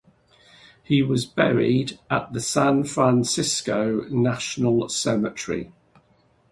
He was buried at San Francisco National Cemetery.